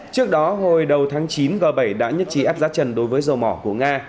trước đó hồi đầu tháng chín g bảy đã nhất trí áp giá trần đối với dầu mỏ của nga